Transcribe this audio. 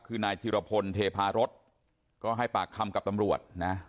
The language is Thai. คือนายธิรพลเทพารสก็ให้ปากคำกับตำรวจนะ